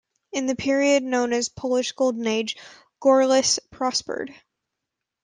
In the period known as Polish Golden Age, Gorlice prospered.